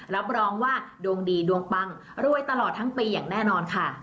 รับรองว่าดวงดีดวงปังรวยตลอดทั้งปีอย่างแน่นอนค่ะ